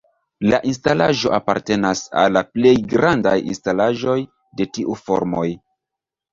La instalaĵo apartenas al la plej grandaj instalaĵoj de tiu formoj.